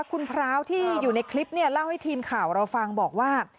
คุณพร้าวที่อยู่ในคลิปเนี่ยเล่าให้ทีมข่าวเราฟังบอกว่า